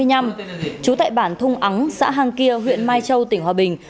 trú tại bản thung ắng xã hàng kia huyện mai châu tỉnh hòa bình